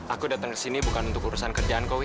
aku datang kesini bukan untuk urusan kerjaan kau wih